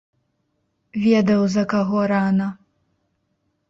Ведаў, за каго рана.